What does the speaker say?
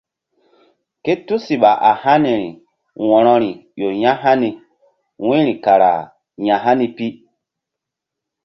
Ké tusiɓa a haniri wo̧roi ƴo ya̧hani wu̧yri kara ya̧hani pi.